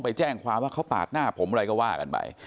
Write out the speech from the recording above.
ไปแจ้งความว่าเขาปาดหน้าผมอะไรก็ว่ากันไป